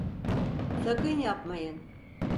Sakın yapmayın!